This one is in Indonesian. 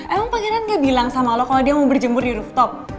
emang pangeran gak bilang sama lo kalo dia mau berjemur di rooftop